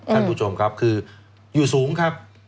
ท่านผู้ชมครับคืออยู่สูงครับ